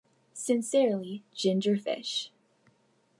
Sincerely, Ginger Fish'.